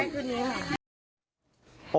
คืนนี้ค่ะ